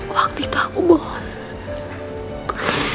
waktu itu aku bohong